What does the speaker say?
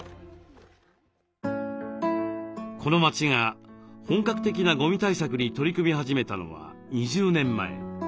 この町が本格的なゴミ対策に取り組み始めたのは２０年前。